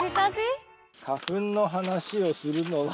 花粉の話をするのは。